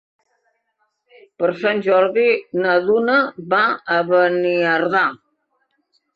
Per Sant Jordi na Duna va a Beniardà.